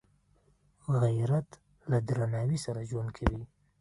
غیرت له درناوي سره ژوند کوي